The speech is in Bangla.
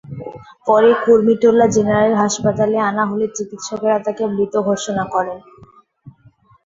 পরে কুর্মিটোলা জেনারেল হাসপাতালে আনা হলে চিকিৎসকেরা তাঁকে মৃত ঘোষণা করেন।